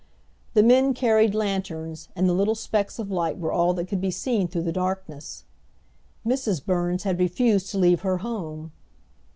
The men carried lanterns, and the little specks of light were all that could be seen through the darkness. Mrs. Burns had refused to leave her home.